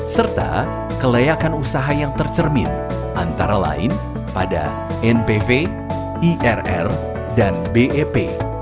serta kelayakan usaha yang tercermin antara lain pada npv irr dan bep